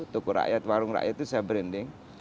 tuku rakyat warung rakyat itu saya branding